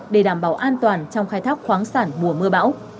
để đảm bảo an toàn trong khai thác khoáng sản mùa mưa bão